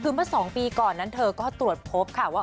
คือเมื่อ๒ปีก่อนนั้นเธอก็ตรวจพบค่ะว่า